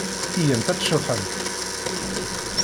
Iyyamt ad tceḍḥemt!